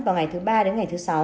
vào ngày thứ ba đến ngày thứ sáu